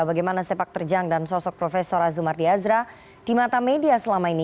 bagaimana sepak terjang dan sosok profesor azumar diazra di mata media selama ini